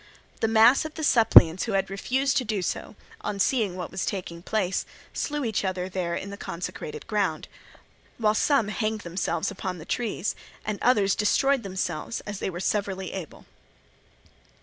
The mass of the suppliants who had refused to do so, on seeing what was taking place, slew each other there in the consecrated ground; while some hanged themselves upon the trees, and others destroyed themselves as they were severally able.